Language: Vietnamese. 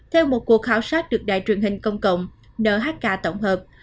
theo một cuộc khảo sát được đài truyền hình công cộng nhk tổng hợp